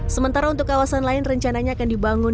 sementara untuk kawasan lain rencananya akan dibangun